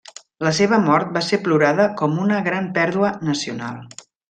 La seva mort va ser plorada com una gran pèrdua nacional.